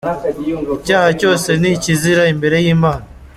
Icyaha cyose ni ikizira imbere y’Imana.